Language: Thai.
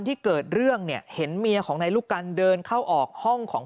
ที่เกิดเรื่องเนี่ยเห็นเมียของนายลูกกันเดินเข้าออกห้องของ